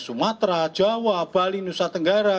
sumatera jawa bali nusa tenggara